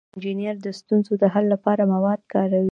انجینر د ستونزو د حل لپاره مواد کاروي.